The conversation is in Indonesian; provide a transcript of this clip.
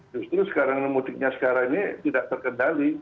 justru sekarang mudiknya sekarang ini tidak terkendali